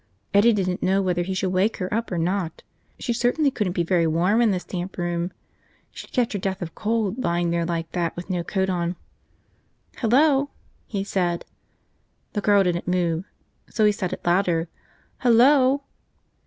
Eddie didn't know whether he should wake her up or not. She certainly couldn't be very warm in this damp room. She'd catch her death of cold, lying there like that with no coat on. "Hello," he said. The girl didn't move, so he said it louder. "Hello!"